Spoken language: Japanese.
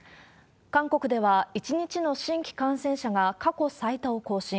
韓国では１日の新規感染者が過去最多を更新。